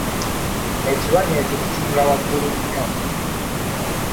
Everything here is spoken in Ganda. Ekibanyi ekyo kitunula waggulu nnyo.